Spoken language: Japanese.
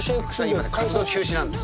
今ね活動休止なんですよ。